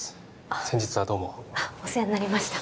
先日はどうもお世話になりました